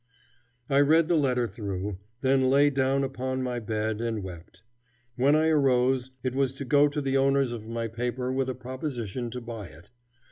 I read the letter through, then lay down upon my bed and wept. When I arose, it was to go to the owners of my paper with a proposition to buy it.